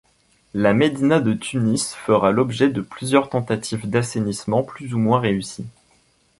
La médina de Tunis fera l'objet de plusieurs tentatives d'assainissement plus ou moins réussies.